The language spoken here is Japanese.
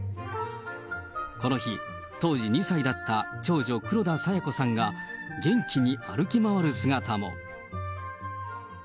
この日、当時２歳だった長女、黒田清子さんが、元気に歩き回る姿も。